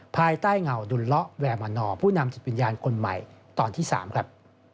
ภายใต้เงาดุลเลาะแวร์มานอร์ผู้นำจิตวิญญาณคนใหม่ตอนที่๓ครับ